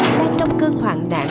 đã trong cơn hoạn nạn